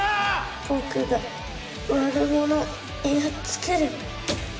僕が悪者やっつける。